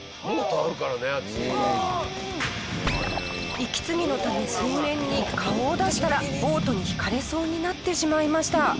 息継ぎのため水面に顔を出したらボートにひかれそうになってしまいました。